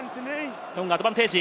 トンガ、アドバンテージ。